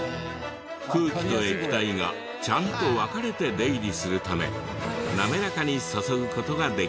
空気と液体がちゃんと分かれて出入りするため滑らかに注ぐ事ができるのです。